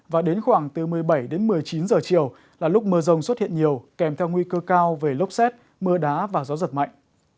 và đến khoảng từ một mươi bảy đến một mươi chín giờ chiều là lúc mưa rông xuất hiện nhiều kèm theo nguy cơ cao về lốc xét mưa đá và gió giật mạnh